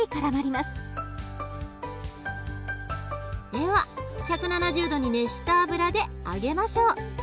では１７０度に熱した油で揚げましょう。